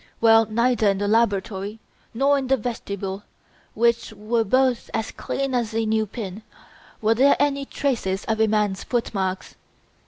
Well, neither in the laboratory nor in the vestibule, which were both as clean as a new pin, were there any traces of a man's footmarks.